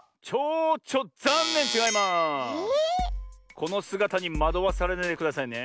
このすがたにまどわされないでくださいね。